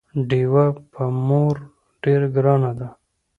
ډيوه په مور ډېره ګرانه ده